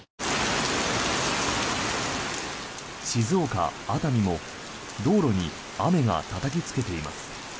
静岡・熱海も道路に雨がたたきつけています。